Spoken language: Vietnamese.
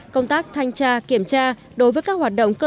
công tác thanh tra kiểm tra kết nối với các tỉnh thành phố trong cả nước